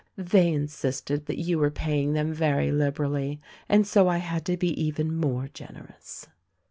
They insisted that you were paying them very liberally — and so I had to be even more generous."